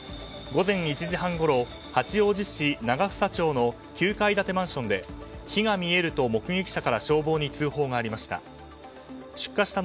午前１時半ごろ八王子市長房町の９階建てマンションで火が見えると、目撃者から消防に通報がありました。